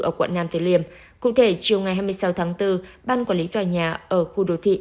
ở quận nam tử liêm cụ thể chiều ngày hai mươi sáu tháng bốn ban quản lý tòa nhà ở khu đồ thị